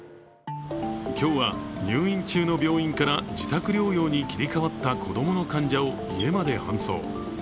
今日は、入院中の病院から自宅療養に切り替わった子供の患者を家まで搬送。